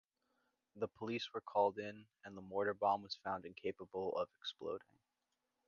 The police were called in and the mortar bomb was found incapable of exploding.